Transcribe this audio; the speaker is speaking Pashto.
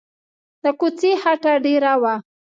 د کوڅې خټه ډېره وه.